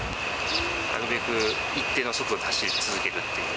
なるべく一定の速度で走り続けるっていう。